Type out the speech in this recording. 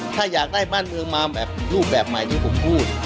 ถ้าอยากได้บ้านเมืองมาแบบรูปแบบใหม่ที่ผมพูด